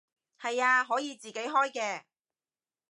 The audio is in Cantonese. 係啊，可以自己開嘅